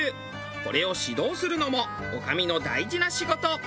これを指導するのも女将の大事な仕事。